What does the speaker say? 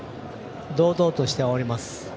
堂々としております。